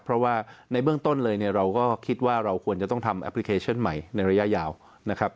เพราะว่าในเบื้องต้นเลยเนี่ยเราก็คิดว่าเราควรจะต้องทำแอปพลิเคชันใหม่ในระยะยาวนะครับ